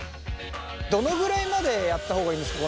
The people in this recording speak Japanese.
どのぐらいまでやった方がいいんですか